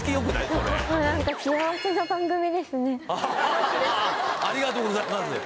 それありがとうございます